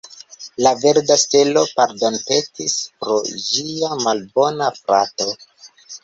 La verda stelo pardonpetis pro ĝia malbona frato.